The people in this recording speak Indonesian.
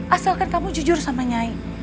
asalkan kamu jujur sama nyai